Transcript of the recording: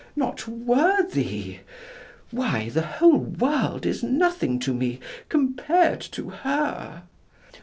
Not worthy! why, the whole world is nothing to me compared to her."